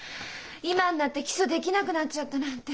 今になって起訴できなくなっちゃったなんて。